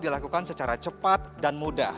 dilakukan secara cepat dan mudah